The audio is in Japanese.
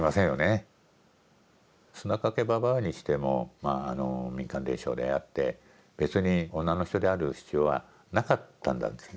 砂かけ婆にしてもまああの民間伝承であって別に女の人である必要はなかったんだと。